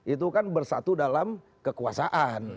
itu kan bersatu dalam kekuasaan